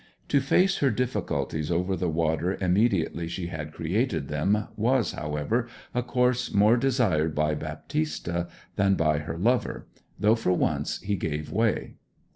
To face her difficulties over the water immediately she had created them was, however, a course more desired by Baptista than by her lover; though for once he gave way.